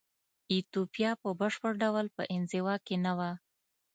ایتوپیا په بشپړ ډول په انزوا کې نه وه.